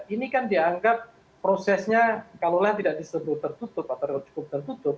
ini kan dianggap prosesnya kalau lain tidak disebut tertutup atau cukup tertutup